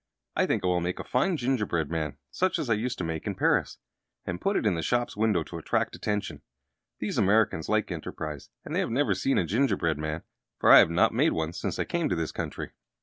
I think I will make a fine gingerbread man, such as I used to make in Paris, and put it in the shop window to attract attention. These Americans like enterprise, and they have never seen a gingerbread man, for I have not made one since I came to this country."